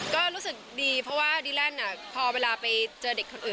ก็รู้สึกดีเพราะว่าดีแลนด์พอเวลาไปเจอเด็กคนอื่น